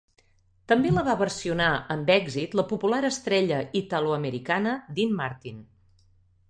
També la va versionar amb èxit la popular estrella italoamericana Dean Martin